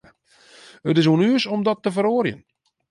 It is oan ús om dat te feroarjen.